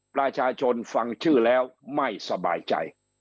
ประชาชนฟังชื่อแล้วไม่สบายใจ